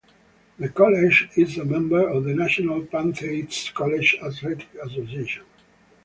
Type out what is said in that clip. The college is a member of the National Christian College Athletic Association.